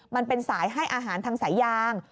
มันเป็นสายให้อาหารทางสายยาง